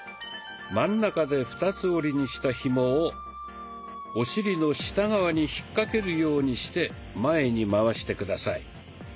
真ん中で二つ折りにしたひもをお尻の下側に引っ掛けるようにして前にまわして下さい。